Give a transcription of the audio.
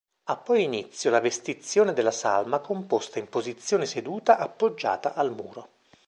Ha poi inizio la vestizione della salma composta in posizione seduta appoggiata al muro.